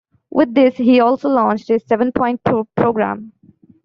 With this, he also launched his seven-point program.